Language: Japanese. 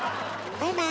バイバイ。